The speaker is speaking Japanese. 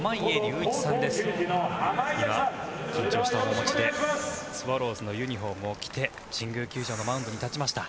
今緊張した面持ちでスワローズのユニホームを着て神宮球場のマウンドに立ちました。